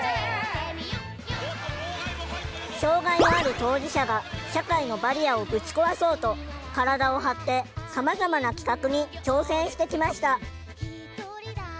障害のある当事者が社会のバリアをぶち壊そうと体を張ってさまざまな企画に挑戦してきました。